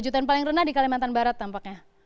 jutaan paling rendah di kalimantan barat tampaknya